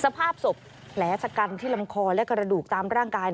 สภาพศพแผลชะกันที่ลำคอและกระดูกตามร่างกาย